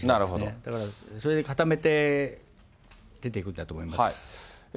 だからそれで固めて出てくるんだと思います。